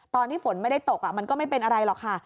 ตอนที่ฝนไม่ได้ตกมันก็ไม่เป็นอะไรหรอกค่ะ